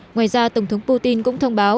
ngoài ra tổng thống putin cũng thông báo